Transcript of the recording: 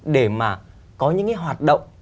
để mà có những cái hoạt động